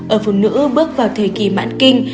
ở phụ nữ bước vào thời kỳ mãn kinh